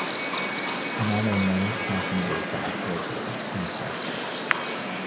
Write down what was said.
Another male passenger died later in hospital.